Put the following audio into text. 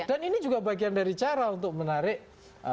dan ini juga bagian dari cara untuk menarik pemilih ya